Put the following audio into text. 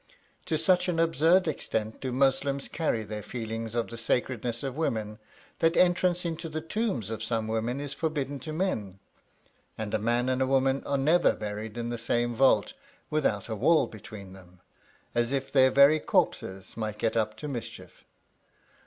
To such an absurd extent do Muslims carry their feeling of the sacredness of women that entrance into the tombs of some women is forbidden to men; and a man and woman are never buried in the same vault, without a wall between them—as if their very corpses might get up to mischief.